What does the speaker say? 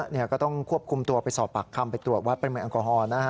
เนี่ยก็ต้องควบคุมตัวไปสอบปากคำไปตรวจวัดปริมาณแอลกอฮอล์นะฮะ